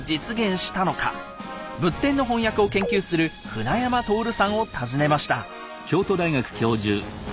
仏典の翻訳を研究する船山徹さんを訪ねました。